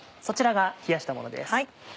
そちらが冷やしたものです。